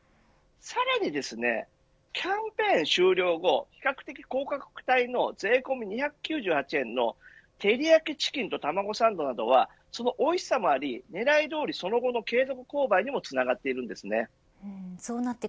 さらにキャンペーン終了後比較的、高価格帯の２９８円のテリヤキチキンとたまごのサンドそのおいしさもあり、狙いどおりその後の継続購買にもつながっています。